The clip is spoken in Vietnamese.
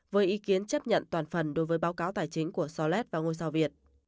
với ý kiến chấp nhận toàn phần đối với báo cáo tài chính của solet và ngôi sao việt